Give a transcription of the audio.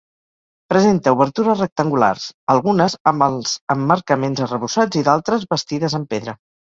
Presenta obertures rectangulars, algunes amb els emmarcaments arrebossats i d'altres bastides en pedra.